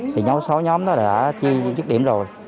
thì sáu nhóm đó đã chia chức điểm rồi